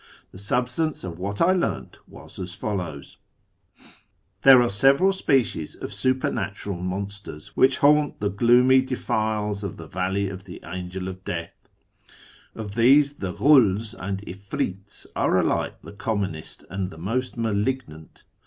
The substance of what I learned was as follows :— There are several species of supernatural monsters which haunt the gloomy defiles of the Valley of the Angel of Death. Of these the fihuls and Hfrits are alike the commonest and the most malignant.